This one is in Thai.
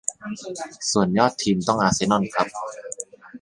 ส่วนยอดทีมต้องอาร์เซนอลครับ